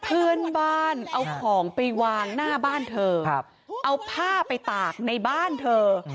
เพื่อนบ้านเอาของไปวางหน้าบ้านเธอเอาผ้าไปตากในบ้านเธอ